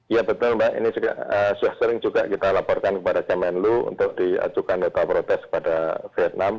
ya betul mbak ini sudah sering juga kita laporkan kepada kemenlu untuk diajukan nota protes kepada vietnam